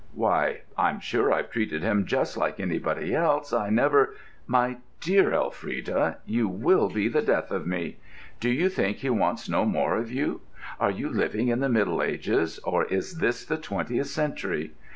"Why, I'm sure I've treated him just like anybody else. I never——" "My dear Elfrida, you will be the death of me! Do you think he wants no more of you? Are you living in the Middle Ages, or is this the Twentieth century?